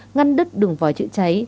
ngăn đất đường vòi chữa cháy